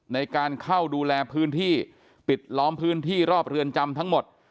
ในการเข้าดูแลพื้นที่ปิดล้อมพื้นที่รอบเรือนจำทั้งหมด